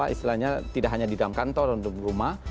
istilahnya tidak hanya di dalam kantor untuk di rumah